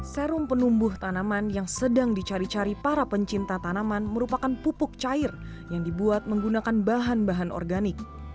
serum penumbuh tanaman yang sedang dicari cari para pencinta tanaman merupakan pupuk cair yang dibuat menggunakan bahan bahan organik